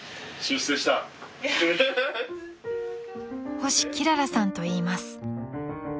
［星きららさんといいます］